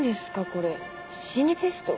これ心理テスト？